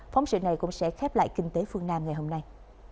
phóng sự này cũng sẽ khép lại kinh tế phương nam ngày hôm nay